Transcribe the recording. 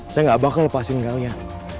saya gak bakal lepasin kalian